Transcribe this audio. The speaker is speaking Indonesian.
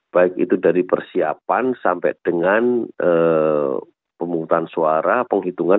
baik itu dari persiapan sampai dengan pemungutan suara penghitungan